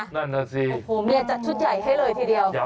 โอ้โหเมียจัดชุดใหญ่ให้เลยทีเดียว